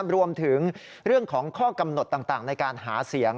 รวมถึงข้อกำหนดต่างในการหาเสียง